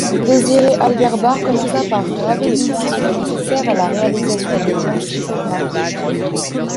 Désiré-Albert Barre commença par graver les poinçons nécessaires à la réalisation des planches typographiques.